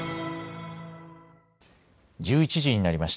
１１時になりました。